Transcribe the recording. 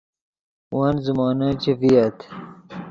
ون زیمونے چے ڤییت